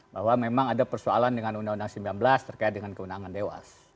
bahwa memang ada persoalan dengan undang undang sembilan belas terkait dengan kewenangan dewas